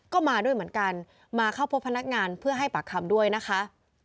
ก็มาด้วยเหมือนกันมาเข้าพบพนักงานเพื่อให้ปากคำด้วยนะคะ